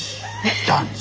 男子！